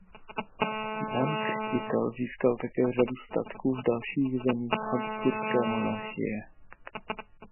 Jan Křtitel získal také řadu statků v dalších zemích habsburské monarchie.